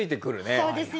そうですよ。